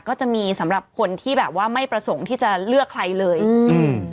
ก็จะมีสำหรับคนที่แบบว่าไม่ประสงค์ที่จะเลือกใครเลยอืม